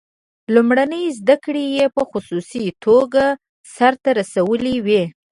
لومړنۍ زده کړې یې په خصوصي توګه سرته رسولې وې.